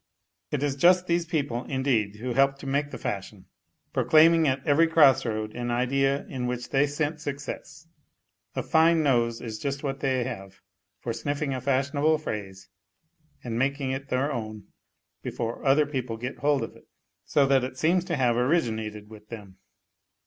It is just these people, indeed, who help to make the fashion, proclaiming at every cross road an idea in which they scent success. A fine nose is just what they have for sniffing a fashionable phrase and making it their own before other people get hold of it, so that it seems to have originated with them.